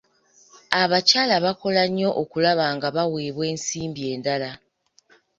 Abakyala bakola nnyo okulaba nga baweebwa ensimbi endala.